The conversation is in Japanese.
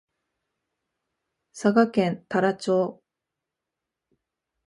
佐賀県太良町